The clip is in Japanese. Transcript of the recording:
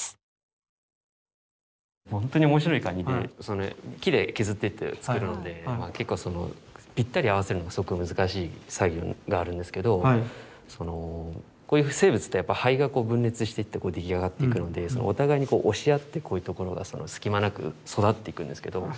ほんとに面白いカニで木で削って作るので結構ぴったり合わせるのがすごく難しい作業があるんですけどこういう生物って胚が分裂していって出来上がっていくのでお互いに押し合ってこういうところは隙間なく育っていくんですけど。